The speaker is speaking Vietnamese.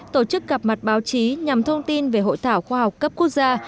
tổ chức gặp mặt báo chí nhằm thông tin về hội thảo khoa học cấp quốc gia